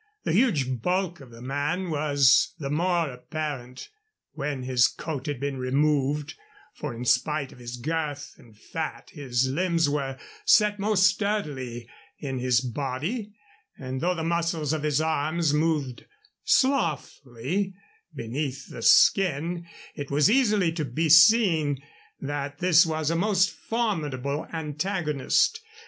The huge bulk of the man was the more apparent when his coat had been removed, for in spite of his girth and fat his limbs were set most sturdily in his body, and though the muscles of his arms moved slothfully beneath the skin, it was easily to be seen that this was a most formidable antagonist.